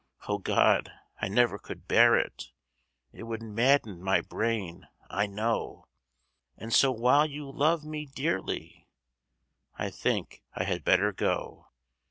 O God! I never could bear it; It would madden my brain, I know; And so while you love me dearly I think I had better go.